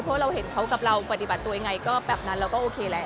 เพราะเราเห็นเขากับเราปฏิบัติตัวยังไงก็แบบนั้นเราก็โอเคแหละ